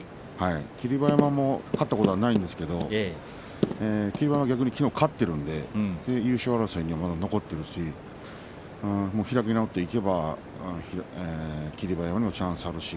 霧馬山も勝ったことはないんですけれども霧馬山は逆に、きのう勝っているんで優勝争いには、まだ残っているし開き直っていけば霧馬山にもチャンスがあるし。